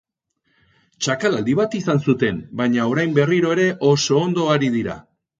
Txakalaldi bat izan zuten, baina orain berriro ere oso ondo ari dira.